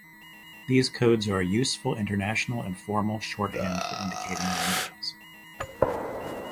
These codes are a useful international and formal, shorthand for indicating languages.